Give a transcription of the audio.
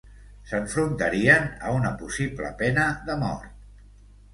S'enfrontarien a una possible pena de mort.